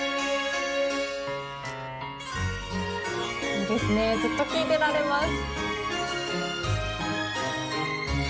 いいですねずっと聴いていられます。